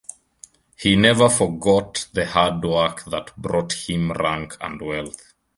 He never forgot the hard work that brought him rank and wealth.